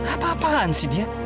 apa apaan sih dia